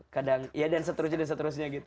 kadang ya dan seterusnya dan seterusnya gitu